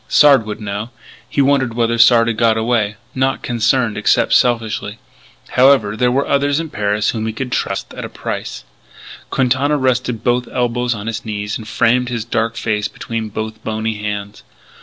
Sard would know. He wondered whether Sard had got away, not concerned except selfishly. However, there were others in Paris whom he could trust at a price.... Quintana rested both elbows on his knees and framed his dark face between both bony hands.